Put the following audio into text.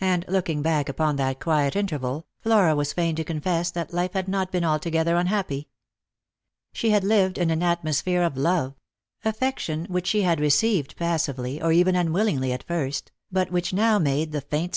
And looting back upon that quiet interval, Mora was fain to confess that life had not been altogether unhappy. She had lived in an atmosphere of love ; affection which she had received passively, or even unwillingly at first, but which now made the fai